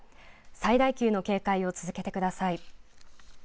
最大級の警戒を続けてください。